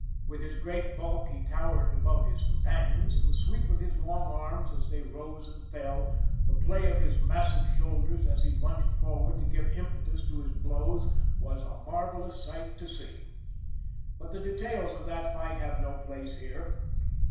With his great bulk he towered above his companions, and the sweep of his long arms as they rose and fell, the play of his massive shoulders as he lunged forward to give impetus to his blows, was a marvelous sight to see. But the details of that fight have no place here.